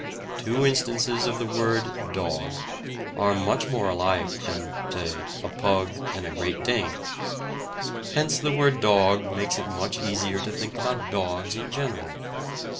Two instances of the word "dog" are much more alike than (say) a pug and a great dane; hence the word "dog" makes it much easier to think about dogs in general.